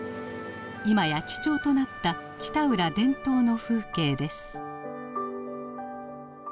今や貴重となった北浦伝統の風景です。